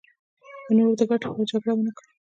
د نورو د ګټو لپاره جګړه ونکړي.